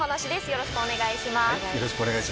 よろしくお願いします。